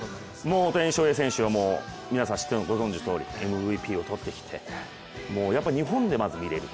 大谷翔平選手はもう、皆さんご存じのとおりＭＶＰを取ってきて、日本でまず見れると。